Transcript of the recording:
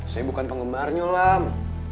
saya bukan penggemar nyolam